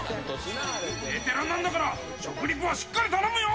ベテランなんだから、食リポはしっかり頼むよ。